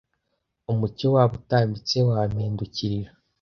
umucyo wabo utambitse wampindukirira